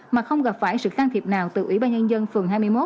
mà không gặp phải sự can thiệp nào từ ủy ban nhân dân phường hai mươi một